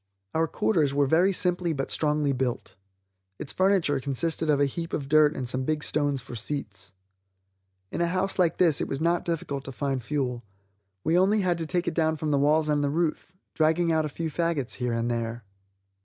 Our quarters were very simply but strongly built. Its furniture consisted of a heap of dirt and some big stones for seats. In a house like this it was not difficult to find fuel; we had only to take it down from the walls and the roof, dragging out a few faggots here and there.